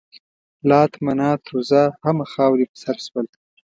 لات، منات، عزا همه خاورې په سر شول.